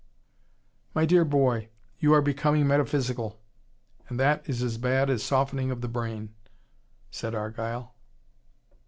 "My dear boy, you are becoming metaphysical, and that is as bad as softening of the brain," said Argyle.